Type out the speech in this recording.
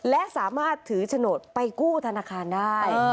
และสามารถถือโฉนดไปกู้ธนาคารได้